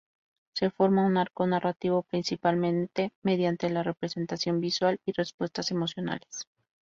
Se forma un arco narrativo principalmente mediante la representación visual y respuestas emocionales.